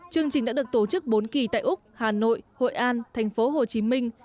chương trình đã được tổ chức bốn kỳ tại úc hà nội hội an thành phố hồ chí minh